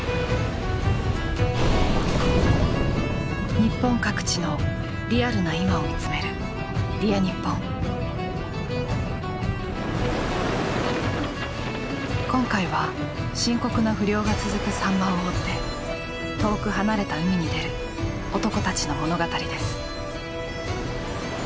日本各地のリアルな今を見つめる今回は深刻な不漁が続くサンマを追って遠く離れた海に出る男たちの物語です。